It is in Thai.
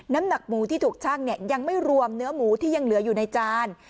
น้ำหนักหมูที่ถูกชั่งยังไม่รวมเนื้อหมูที่ยังเหลืออยู่ในจาน